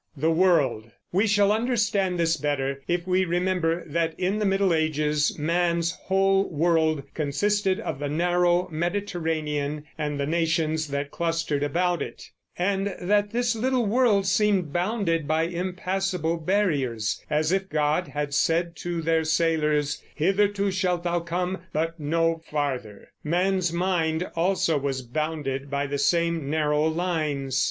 We shall understand this better if we remember that in the Middle Ages man's whole world consisted of the narrow Mediterranean and the nations that clustered about it; and that this little world seemed bounded by impassable barriers, as if God had said to their sailors, "Hitherto shalt thou come, but no farther." Man's mind also was bounded by the same narrow lines.